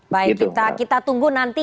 baik kita tunggu nanti